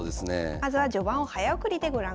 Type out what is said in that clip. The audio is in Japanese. まずは序盤を早送りでご覧ください。